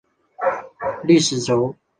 历史轴。